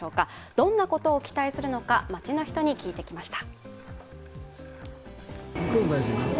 どんなことを期待するのか、街の人に聞いてきました。